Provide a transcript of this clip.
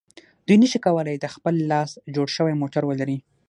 دوی نشي کولای د خپل لاس جوړ شوی موټر ولري.